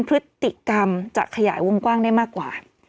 พฤติกรรมจะขยายวงกว้างได้มากกว่า